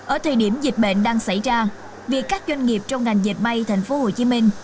ở thời điểm dịch bệnh đang xảy ra việc các doanh nghiệp trong ngành dịch may thành phố hồ chí minh